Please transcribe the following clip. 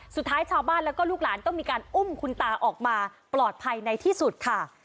สุดท้ายชาวบ้านแล้วก็ลูกหลานต้องมีการอุ้มคุณตาออกมาปลอดภัยในที่สุดค่ะ